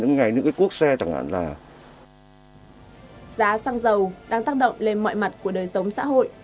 giá xăng dầu đang tác động lên mọi mặt của đời sống xã hội